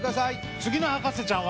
次の博士ちゃんは。